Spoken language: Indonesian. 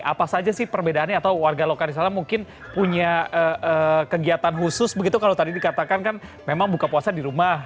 apa saja sih perbedaannya atau warga lokal di sana mungkin punya kegiatan khusus begitu kalau tadi dikatakan kan memang buka puasa di rumah